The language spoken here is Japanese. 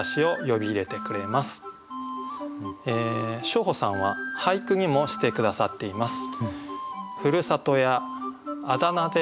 小圃さんは俳句にもして下さっています。